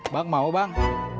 bang mau bang